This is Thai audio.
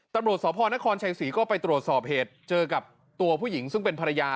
ตำรวจสพนครชัยศรีก็ไปตรวจสอบเหตุเจอกับตัวผู้หญิงซึ่งเป็นภรรยา